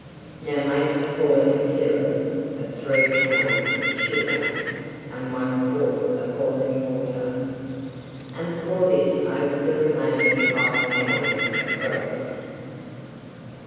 Now make a boiling Syrup of three pounds of Sugar and one quart of boiling Water and pour this over the remaining five pounds of Grapes.